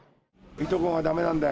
いとこがだめなんだよ。